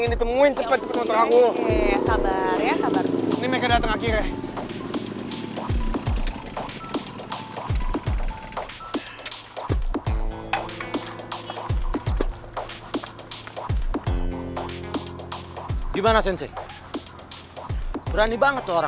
ini kan motornya si jandra